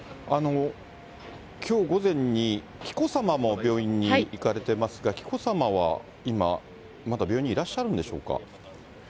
きょう午前に、紀子さまも病院に行かれてますが、紀子さまは今、まだ病院にいらっしゃるんでしょうか。